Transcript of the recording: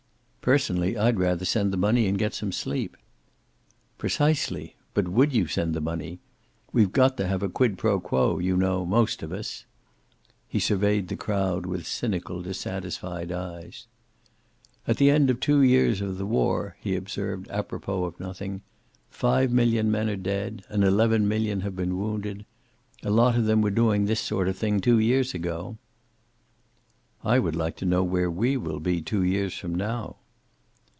"Personally, I'd rather send the money and get some sleep." "Precisely. But would you send the money? We've got to have a quid pro quo, you know most of us." He surveyed the crowd with cynical, dissatisfied eyes. "At the end of two years of the war," he observed, apropos of nothing, "five million men are dead, and eleven million have been wounded. A lot of them were doing this sort of thing two years ago." "I would like to know where we will be two years from now."